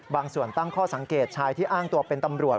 บางส่วนตั้งข้อสังเกตชายที่อ้างตัวเป็นตำรวจ